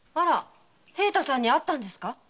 平太さんに会ったんですか？